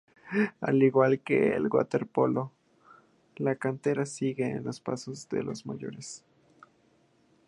Al igual que en el waterpolo, la cantera sigue los pasos de los mayores.